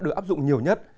được áp dụng nhiều nhất